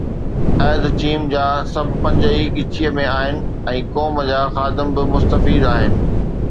احد چيم جا سڀ پنج ئي ڳچيءَ ۾ آهن ۽ قوم جا خادم به مستفيد آهن.